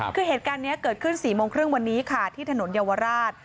คือเหตุการณ์นี้เกิดขึ้น๔โมงครึ่งวันนี้ค่ะที่ถนนเยาวราช